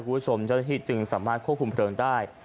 คุณผู้ชมจะจริงสามารถควบคุมเพลิงได้